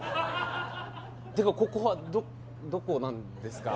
ってかここはどこどこなんですか？